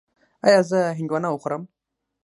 ایا زه هندواڼه وخورم؟